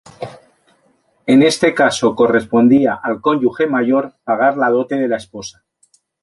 En este caso correspondía al cónyuge mayor pagar la dote de la esposa.